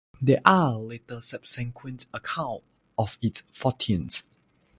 There are little subsequent account of its fortunes.